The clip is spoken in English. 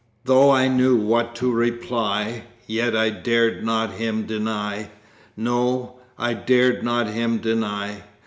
"Though I knew what to reply, Yet I dared not him deny, No, I dared not him deny!